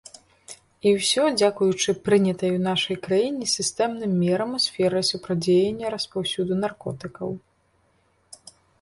І ўсё дзякуючы прынятым у нашай краіне сістэмным мерам у сферы супрацьдзеяння распаўсюду наркотыкаў.